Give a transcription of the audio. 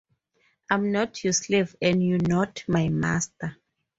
I'm not your slave and you're not my master.